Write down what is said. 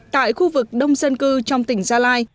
tại khu vực đông dân cư trong tỉnh gia lai